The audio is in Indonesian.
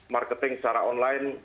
marketing secara online